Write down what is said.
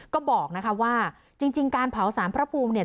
ก็บอกนะคะว่าจริงการเผาสารพระภูมิเนี่ย